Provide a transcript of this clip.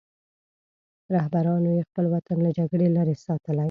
رهبرانو یې خپل وطن له جګړې لرې ساتلی.